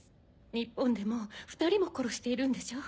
日本でもう２人も殺しているんでしょう？